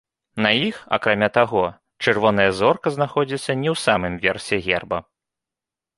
На іх, акрамя таго, чырвоная зорка знаходзіцца не ў самым версе герба.